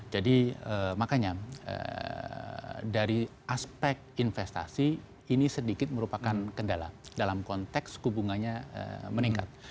jadi makanya dari aspek investasi ini sedikit merupakan kendala dalam konteks suku bunganya meningkat